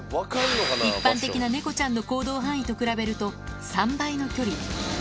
一般的な猫ちゃんの行動範囲と比べると３倍の距離。